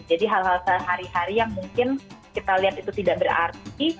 jadi hal hal sehari hari yang mungkin kita lihat itu tidak berarti